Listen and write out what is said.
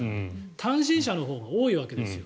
単身者のほうが多いわけですよ。